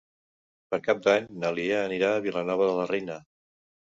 Per Cap d'Any na Lia anirà a Vilanova de la Reina.